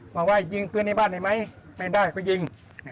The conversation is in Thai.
บอกว่ายิงปืนในบ้านได้ไหมไม่ได้ก็ยิง